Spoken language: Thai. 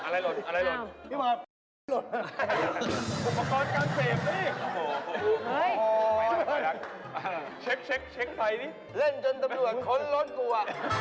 เล่นจนตำรวจค้นรถกลัว